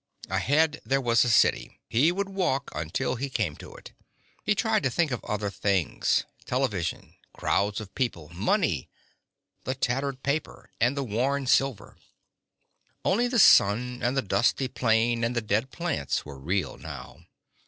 Ahead there was a city. He would walk until he came to it. He tried to think of other things: television, crowds of people, money: the tattered paper and the worn silver Only the sun and the dusty plain and the dead plants were real now.